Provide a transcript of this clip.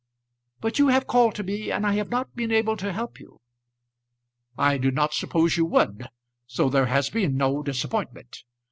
"But you have called to me, and I have not been able to help you." "I did not suppose you would, so there has been no disappointment.